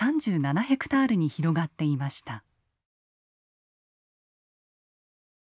ヘクタールに広がっていました。